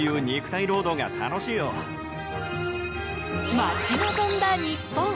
待ち望んだ日本。